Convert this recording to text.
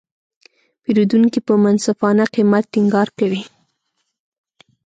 پیرودونکي په منصفانه قیمت ټینګار کوي.